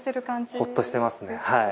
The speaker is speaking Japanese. ほっとしてますね。